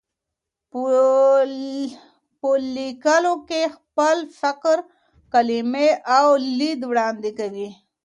په لیکلو کې خپل فکر، کلمې او لید وړاندې کوي.